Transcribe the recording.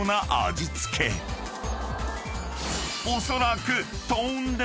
［おそらく］